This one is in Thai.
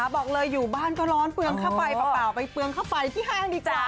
บอกเลยอยู่บ้านก็ร้อนเปลืองเข้าไปเปล่าไปเปลืองเข้าไปที่ห้างดีกว่า